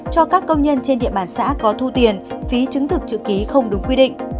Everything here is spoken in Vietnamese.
cho các công nhân trên địa bàn xã có thu tiền phí chứng thực chữ ký không đúng quy định